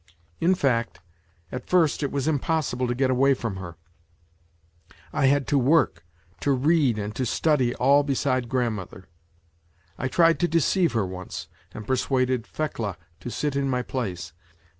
In fact, at first it was impossible to get away from her : I had to work, to read and to study all beside grandmother. I tried to deceive her once, and persuaded Fekla to sit in my place.